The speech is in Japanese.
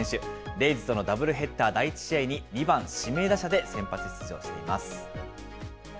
レイズとのダブルヘッダー第１試合に２番指名打者で先発出場しています。